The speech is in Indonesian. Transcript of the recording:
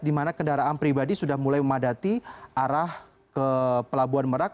di mana kendaraan pribadi sudah mulai memadati arah ke pelabuhan merak